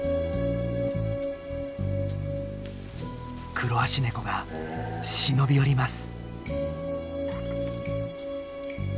クロアシネコが忍び寄ります。